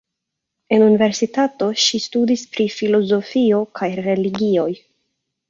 En universitato ŝi studis pri filozofio kaj religioj.